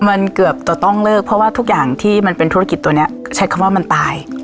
มันเกือบจะต้องเลิกเพราะว่าทุกอย่างที่มันเป็นธุรกิจตัวนี้ใช้คำว่ามันตาย